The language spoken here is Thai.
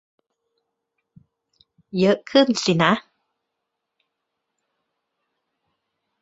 เยอะขึ้นสินะ